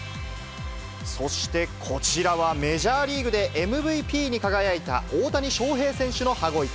そしてこちらはメジャーリーグでＭＶＰに輝いた大谷翔平選手の羽子板。